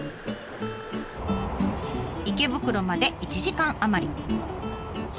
池袋まで１時間余り。